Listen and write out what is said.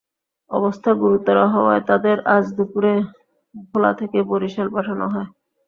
অবস্থা গুরুতর হওয়ায় তাদের আজ দুপুরে ভোলা থেকে বরিশাল পাঠানো হয়।